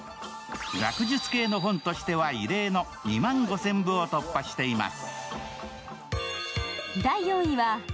学術系の本としては異例の２万５０００部を突破しています。